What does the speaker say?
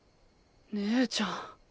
姉ちゃん。